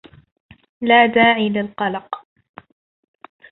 لا داعي للقلق